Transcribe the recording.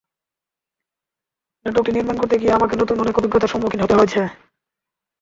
নাটকটি নির্মাণ করতে গিয়ে আমাকে নতুন অনেক অভিজ্ঞতার সম্মুখীন হতে হয়েছে।